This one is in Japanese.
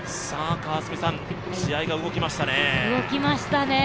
川澄さん、試合が動きましたね。